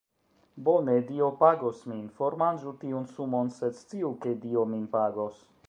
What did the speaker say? Bone, Dio pagos min. Formanĝu tiun sumon sed sciu ke Dio min pagos